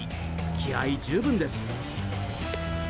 気合十分です。